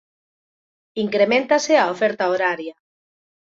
Increméntase a oferta horaria.